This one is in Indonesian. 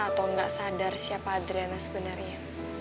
aku gak sadar siapa adriana sebenarnya